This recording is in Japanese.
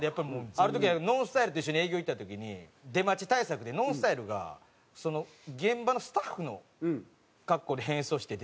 ある時ＮＯＮＳＴＹＬＥと一緒に営業行った時に出待ち対策でＮＯＮＳＴＹＬＥが現場のスタッフの格好で変装して出た。